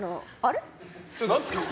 何ですか？